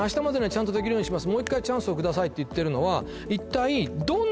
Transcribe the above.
「ちゃんとできるようにします